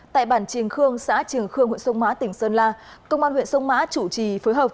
tại bản trình khương xã trình khương huyện sông má tỉnh sơn la công an huyện sông má chủ trì phối hợp